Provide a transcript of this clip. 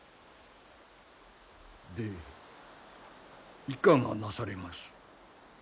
でいかがなされます？